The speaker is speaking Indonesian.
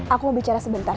aku mau bicara sebentar